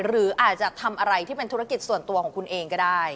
หรืออาจจะทำอะไรที่เป็นธุรกิจส่วนตัวของคุณเองก็ได้